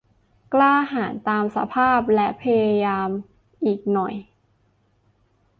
"กล้าหาญตามสภาพและพยายามอีกหน่อย"